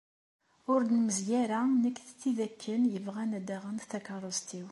Ur d-nemzeg ara nekk d tid akken yebɣan ad aɣent takerrust-iw.